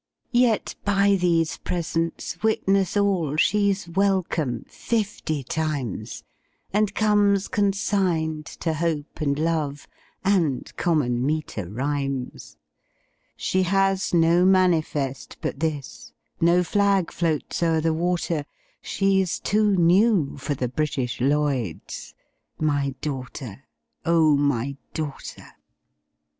Yet by these presents witness all She's welcome fifty times, And comes consigned to Hope and Love And common meter rhymes. She has no manifest but this, No flag floats o'er the water, She's too new for the British Lloyds My daughter, O my daughter!